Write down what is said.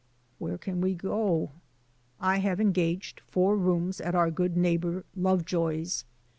"Where can we go?" " I have engaged four rooms at our good neigh bor, Lovejoy*s.